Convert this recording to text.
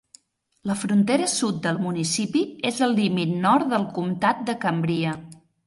La frontera sud del municipi és el límit nord del comtat de Cambria.